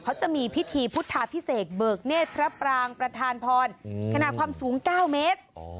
เขาจะมีพิธีพุทธาพิเศษเบิกเนธพระปรางประธานพรขนาดความสูง๙เมตร